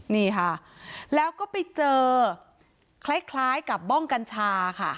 นี่ค่ะแล้วก็ไปเจอคล้ายกับบ้องกัญชาค่ะ